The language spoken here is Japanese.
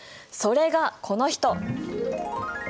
それがこの人。